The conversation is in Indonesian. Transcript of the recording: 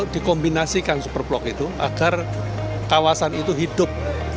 dikombinasikan super blok itu agar kawasan itu hidup